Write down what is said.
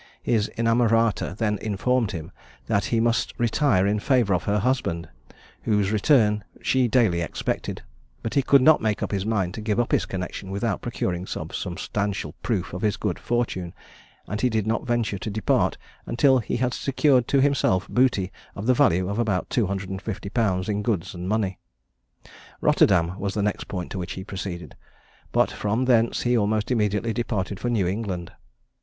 His innamorata then informed him that he must retire in favour of her husband, whose return she daily expected; but he could not make up his mind to give up his connexion without procuring some substantial proof of his good fortune, and he did not venture to depart until he had secured to himself booty of the value of about 250_l._ in goods and money. Rotterdam was the next point to which he proceeded; but from thence he almost immediately departed for New England.